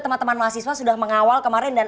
teman teman mahasiswa sudah mengawal kemarin dan